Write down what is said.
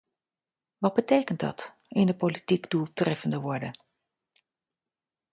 Wat betekent dat: in de politiek doeltreffender worden?